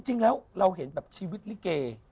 จริงแล้วเราเห็นแบบชีวิตลิเก